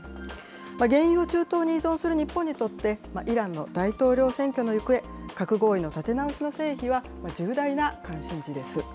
原油を中東に依存する日本にとって、イランの大統領選挙の行方、核合意の立て直しの成否は重大な関心事です。